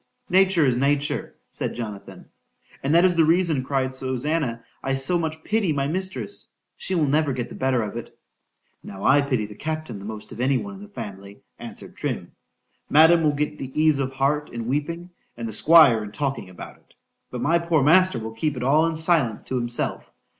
——Nature is nature, said Jonathan.—And that is the reason, cried Susannah, I so much pity my mistress.—She will never get the better of it.—Now I pity the captain the most of any one in the family, answered Trim.——Madam will get ease of heart in weeping,—and the Squire in talking about it,—but my poor master will keep it all in silence to himself.